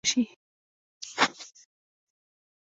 ستونزه دا ده چې تاریخي روایتونه بې اعتباره شي.